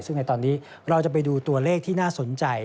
ซึ่งในตอนนี้เราจะไปดูตัวเลขที่น่าสนใจ